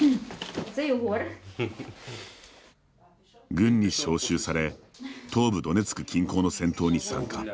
軍に招集され東部ドネツク近郊の戦闘に参加。